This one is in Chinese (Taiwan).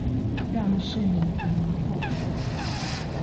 讓市民提名票選